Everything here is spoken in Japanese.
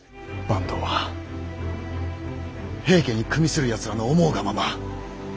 坂東は平家に与するやつらの思うがまま。